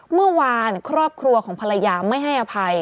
เมื่อวานครอบครัวของภรรยาไม่ให้อภัย